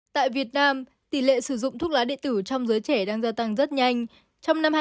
tại việt nam tỷ lệ sử dụng thuốc lá điện tử trong giới trẻ đang gia tăng rất nhanh